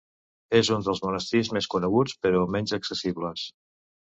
És un dels monestirs més coneguts, però menys accessibles.